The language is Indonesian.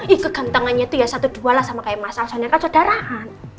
ih kegantengannya tuh ya satu dua lah sama kayak masal soalnya kan saudaraan